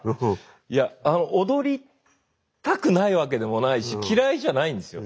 いや踊りたくないわけでもないし嫌いじゃないんですよ。